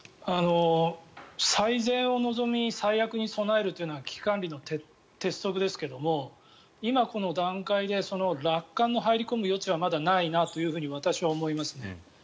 最善を望み最悪に備えるというのは危機管理の鉄則ですが今、この段階で楽観が入り込む余地はないなと私は思いますね。